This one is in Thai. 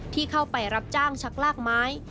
ที่เข้าไปรับจ้างชักลากไม้